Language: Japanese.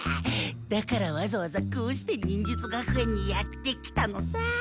だからわざわざこうして忍術学園にやって来たのさ。